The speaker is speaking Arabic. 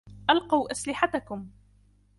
ألقوا أسلحتكم!